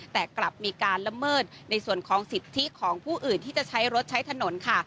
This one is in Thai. แต่กลับมีการละเมิดในส่วนของสิทธิของผู้อื่นที่จะใช้รถใช้ถนนค่ะ